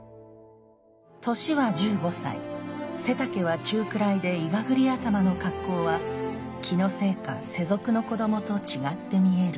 「年は１５歳背丈は中くらいでいが栗頭の格好は気のせいか世俗の子どもと違って見える」。